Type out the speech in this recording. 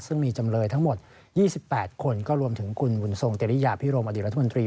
ซึ่งมีจำเลยทั้งหมด๒๘คนก็รวมถึงคุณบุญทรงเตรียพิรมอดีตรัฐมนตรี